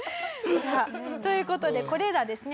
さあという事でこれらですね